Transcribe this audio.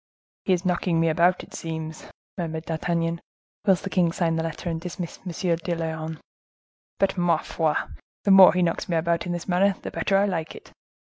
"He is knocking me about, it seems," murmured D'Artagnan, whilst the king signed the letter, and dismissed M. de Lyonne; "but ma foi! the more he knocks me about in this manner, the better I like it."